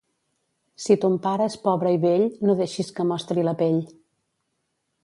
Si ton pare és pobre i vell, no deixis que mostri la pell.